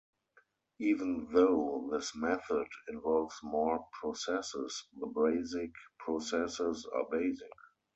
Even though this method involves more processes, the basic processes are basic.